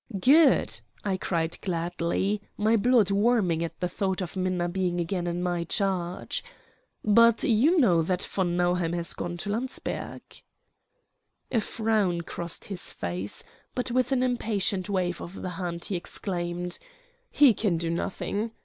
"Good!" I cried gladly, my blood warming at the thought of Minna being again in my charge. "But you know that von Nauheim has gone to Landsberg." A frown crossed his face, but with an impatient wave of the hand he exclaimed: "He can do nothing.